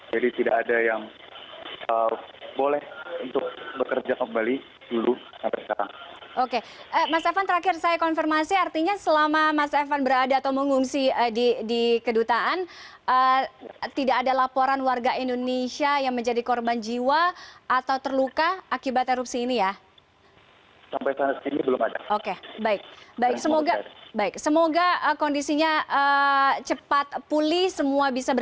jadi tidak ada yang boleh untuk berkeras